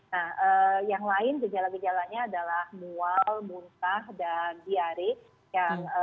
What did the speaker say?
nah yang lain gejalanya adalah mual muntah dan diare